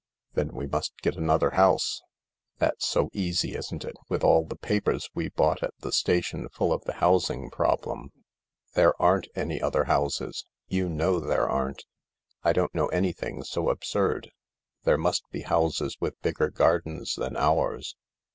"Then we must get another house." "That's so easy, isn't it, with all the papers we bought at the station full of the housing problem ? There aren't any other houses. You know there aren't." " I don't know anything so absurd. There must be 44 THE LARK houses with bigger gardens than ours.